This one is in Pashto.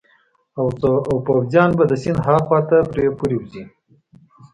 او پوځیان به د سیند هاخوا ته پرې پورې ووزي.